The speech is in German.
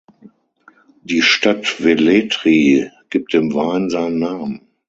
Die Stadt Velletri gibt dem Wein seinen Namen.